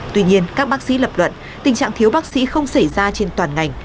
tuy nhiên các bác sĩ lập luận tình trạng thiếu bác sĩ không xảy ra trên toàn ngành